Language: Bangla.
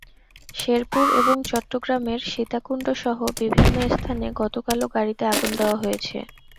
শেরপুর এবং চট্টগ্রামের সীতাকুণ্ডসহ বিভিন্ন স্থানে গতকালও গাড়িতে আগুন দেওয়া হয়েছে।